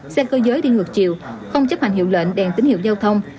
xe cơ giới đi ngược chiều không chấp hành hiệu lệnh đèn tín hiệu giao thông